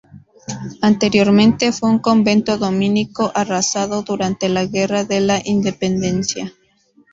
Anteriormente fue un convento dominico arrasado durante la Guerra de la Independencia.